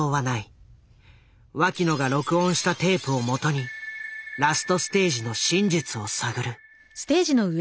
脇野が録音したテープを基にラストステージの真実を探る。